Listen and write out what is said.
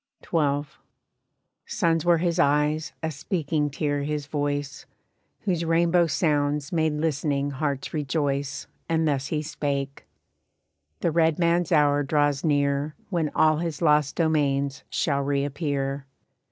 XII. "Suns were his eyes, a speaking tear his voice, Whose rainbow sounds made listening hearts rejoice And thus he spake: 'The red man's hour draws near When all his lost domains shall reappear.